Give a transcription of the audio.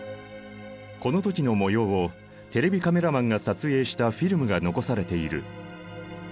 この時の模様をテレビカメラマンが撮影したフィルムが残されている。